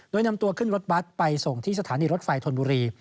โดยนำตัวขึ้นรถบัตรไปส่งที่สถานีรถไฟธนบุรี